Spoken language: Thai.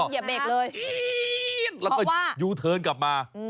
อย่าเบรกเลย